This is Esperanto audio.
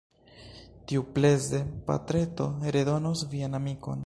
Tiupreze, patreto redonos vian amikon.